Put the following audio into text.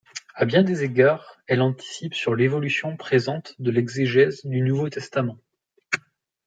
À bien des égards, elle anticipe sur l’évolution présente de l’exégèse du Nouveau Testament.